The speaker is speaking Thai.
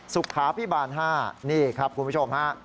สุขาพิบาล๕นี่ครับคุณผู้ชมฮะ